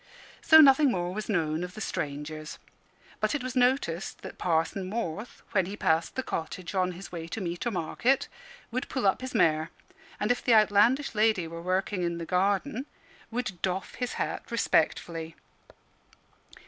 So nothing more was known of the strangers. But it was noticed that Parson Morth, when he passed the cottage on his way to meet or market, would pull up his mare, and, if the outlandish lady were working in the garden, would doff his hat respectfully.